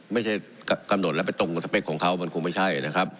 ไม่ใช่กำหนดแล้วไปตรงกับสเปคของเขามันคงไม่ใช่นะครับ